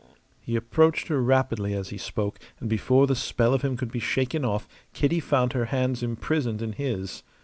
He approached her rapidly as he spoke, and before the spell of him could be shaken off Kitty found her hands imprisoned in his.